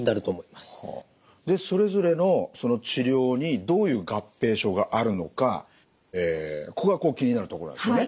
でそれぞれの治療にどういう合併症があるのかここが気になるところなんですよね。